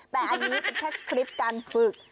แต่อันนี้เป็นแค่คลิปการฝึก